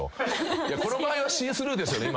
この場合はシースルーですよね。